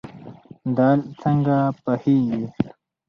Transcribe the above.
دال څنګه پخیږي؟